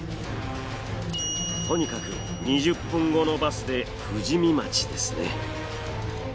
とにかく２０分後のバスで富士見町ですね。